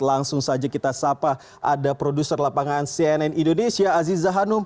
langsung saja kita sapa ada produser lapangan cnn indonesia aziza hanum